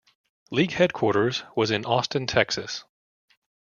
League headquarters was in Austin, Texas.